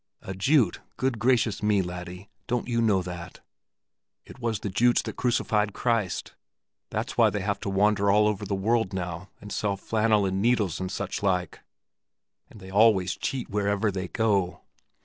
"A Jute? Good gracious me, laddie, don't you know that? It was the Jutes that crucified Christ. That's why they have to wander all over the world now, and sell flannel and needles, and such like; and they always cheat wherever they go.